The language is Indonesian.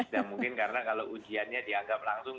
dan mungkin karena kalau ujiannya dianggap langsung